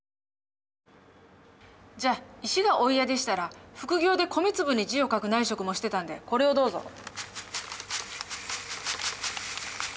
じゃあ石がお嫌でしたら副業で米粒に字を書く内職もしてたんでこれをどうぞ。